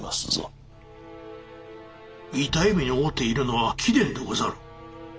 痛い目に遭うているのは貴殿でござろう。